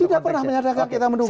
tidak pernah menyatakan kita mendukung